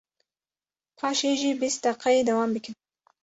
paşê jî bîst deqeyê dewam bikin.